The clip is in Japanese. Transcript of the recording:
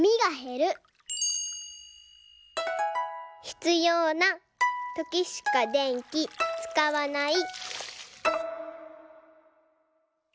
「ひつようなときしか電気使わない」